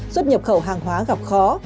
suốt nhập khẩu hàng hóa gặp khó